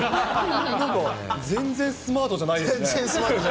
なんか全然スマートじゃないですね。